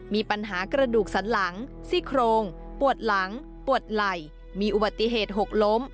มีปัญหากระดูกสันหลังซี่โครงปวดหลังปวดไหล่มีอุบัติเหตุหกล้ม